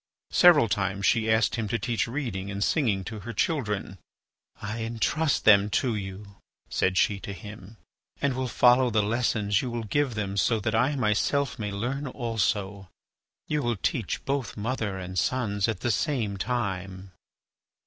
Several times she asked him to teach reading and singing to her children. "I entrust them to you," said she to him. "And will follow the lessons you will give them so that I myself may learn also. You will teach both mother and sons at the same time."